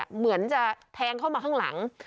เหมือนจะแทงเข้ามาข้างหลัง